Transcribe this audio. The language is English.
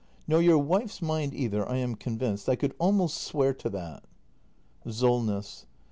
Nor your wife's mind either, I am con vinced. I could almost swear to that. SOLNESS.